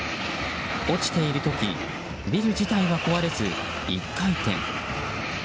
落ちている時ビル自体は壊れず、１回転。